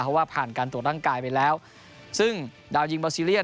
เพราะว่าผ่านการตรวจร่างกายไปแล้วซึ่งดาวยิงบอซีเรียส